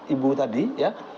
ibu tadi ya